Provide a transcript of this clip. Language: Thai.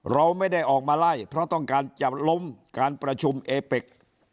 เราไม่ได้ออกมาไล่เพราะต้องการจะล้มการประชุมเอเป็ก